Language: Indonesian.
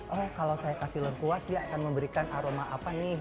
oh kalau saya kasih lengkuas dia akan memberikan aroma apa nih